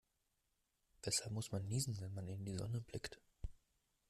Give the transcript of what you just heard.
Weshalb muss man niesen, wenn man in die Sonne blickt?